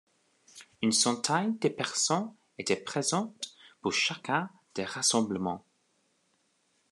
Une centaine de personnes était présente pour chacun des rassemblements.